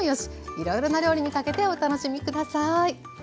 いろいろな料理にかけてお楽しみ下さい。